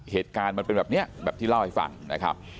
เหตุการณ์มันเป็นแบบนี้แบบที่เล่าให้ฟังนะครับ